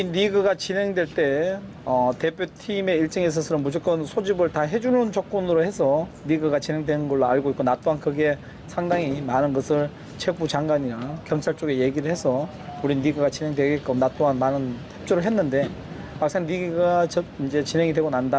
di sana juga berexisting mati levantasi di traditionel